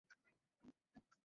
কেন জিজ্ঞেস করছো?